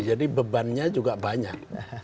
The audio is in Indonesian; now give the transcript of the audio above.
jadi bebannya juga banyak